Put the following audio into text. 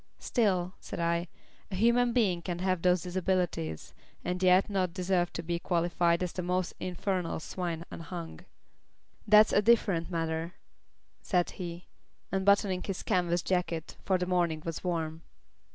"Still," said I, "a human being can have those disabilities and yet not deserve to be qualified as the most infernal swine unhung." "That's a different matter," said he, unbuttoning his canvas jacket, for the morning was warm.